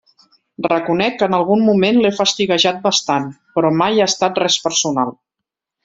Reconec que en algun moment l'he fastiguejat bastant, però mai ha estat res personal.